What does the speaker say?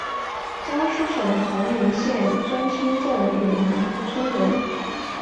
江苏省崇明县中兴镇永南村人。